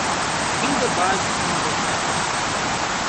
Renda Básica Universal